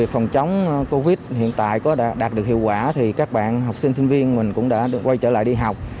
khi xe buýt hiện tại có đạt được hiệu quả thì các bạn học sinh sinh viên mình cũng đã quay trở lại đi học